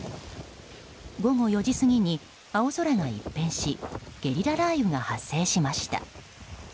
午後４時過ぎに青空が一変しゲリラ雷雨が発生しました。